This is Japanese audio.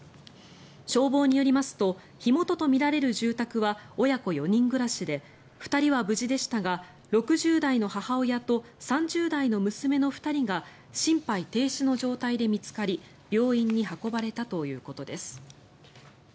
消防によりますと火元とみられる住宅は親子４人暮らしで２人は無事でしたが６０代の母親と３０代の娘の２人が心肺停止の状態で見つかり病院に運ばれたということです。